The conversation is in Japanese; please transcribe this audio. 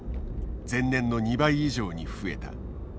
前年の２倍以上に増えた。